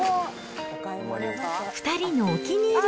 ２人のお気に入り